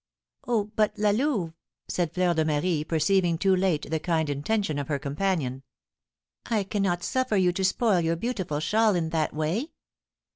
"Oh, but La Louve!" said Fleur de Marie, perceiving too late the kind intention of her companion, "I cannot suffer you to spoil your beautiful shawl in that way."